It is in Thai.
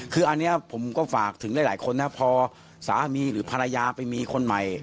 คืออันนี้ผมก็ฝากถึงหลายคนนะพอสามีหรือภรรยาไปมีคนใหม่